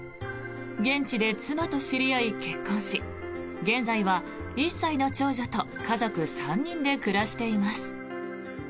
現地で妻と知り合い、結婚し現在は１歳の長女と家族３人で暮らしています。